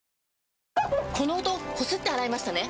この音こすって洗いましたね？